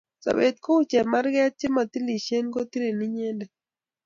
sobet ko u chemaringet kometileshen kotilin inyendet